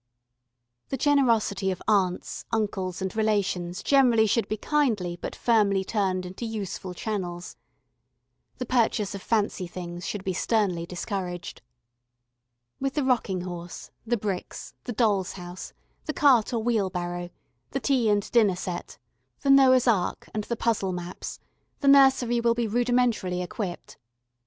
] 40] The generosity of aunts, uncles, and relations generally should be kindly but firmly turned into useful channels. The purchase of "fancy" things should be sternly discouraged. With the rocking horse, the bricks, the doll's house, the cart or wheel barrow, the tea and dinner set, the Noah's Ark and the puzzle maps, the nursery will be rudimentarily equipped.